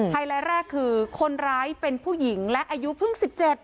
ไลท์แรกคือคนร้ายเป็นผู้หญิงและอายุเพิ่ง๑๗